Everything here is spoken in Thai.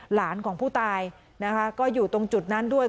หลานของผู้ตายนะคะก็อยู่ตรงจุดนั้นด้วย